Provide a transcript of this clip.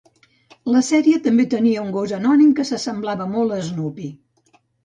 La sèrie també tenia un gos anònim que s'assemblava molt a Snoopy.